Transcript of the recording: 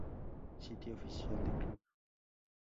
Sitio Oficial de club